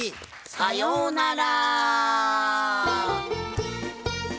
さようなら！